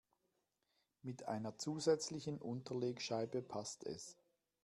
Mit einer zusätzlichen Unterlegscheibe passt es.